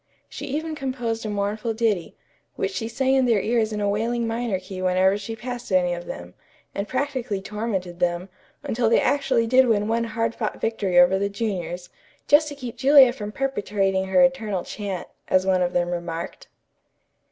She even composed a mournful ditty, which she sang in their ears in a wailing minor key whenever she passed any of them, and practically tormented them, until they actually did win one hard fought victory over the juniors, "just to keep Julia from perpetrating her eternal chant," as one of them remarked.